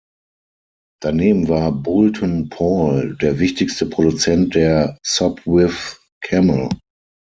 Daneben war Boulton Paul der wichtigste Produzent der Sopwith Camel.